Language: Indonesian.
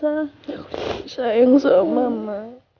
ya aku juga sayang sama mama